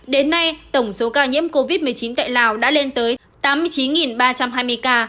đến nay tổng số ca nhiễm covid một mươi chín tại lào đã lên tới tám mươi chín ba trăm hai mươi ca